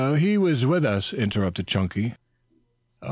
"He was with us," interrupted Chunky.